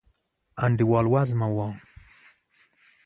انډیوال وزمه و